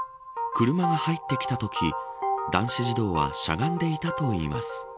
車が入ってきたとき男子児童はしゃがんでいたといいます。